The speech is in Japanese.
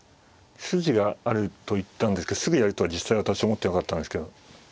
筋があると言ったんですけどすぐやるとは実際私思ってなかったんですけど。